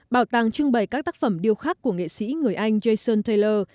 bảo tàng trưng bày các tác phẩm điêu khắc của nghệ sĩ người anh jason taylor